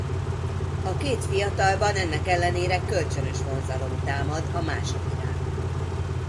A két fiatalban ennek ellenére kölcsönös vonzalom támad a másik iránt.